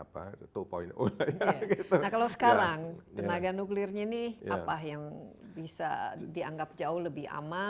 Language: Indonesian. nah kalau sekarang tenaga nuklirnya ini apa yang bisa dianggap jauh lebih aman